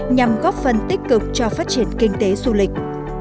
nhằm góp phần tích cực cho phát triển kinh tế du lịch